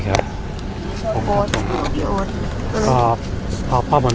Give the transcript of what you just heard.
ภาษาสนิทยาลัยสุดท้าย